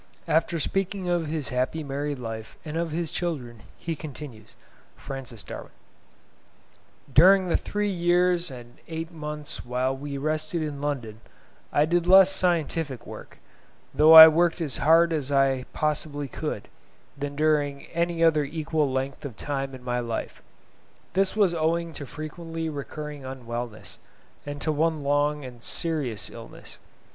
(After speaking of his happy married life, and of his children, he continues:—) During the three years and eight months whilst we resided in London, I did less scientific work, though I worked as hard as I possibly could, than during any other equal length of time in my life. This was owing to frequently recurring unwellness, and to one long and serious illness.